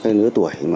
cái nửa tuổi